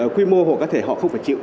quy mô hộ cá thể họ không phải chịu